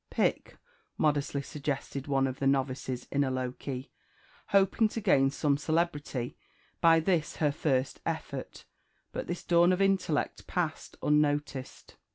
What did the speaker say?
"Pick," modestly suggested one of the novices in a low key, hoping to gain some celebrity by this her first effort; but this dawn of intellect passed unnoticed.